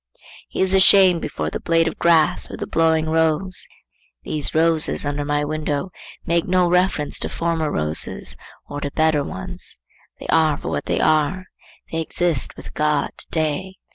He is ashamed before the blade of grass or the blowing rose. These roses under my window make no reference to former roses or to better ones; they are for what they are; they exist with God to day.